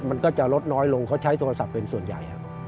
มันก็จะลดน้อยลงเขาใช้โทรศัพท์เป็นส่วนใหญ่ครับ